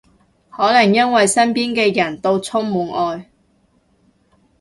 可能因為身邊嘅人到充滿愛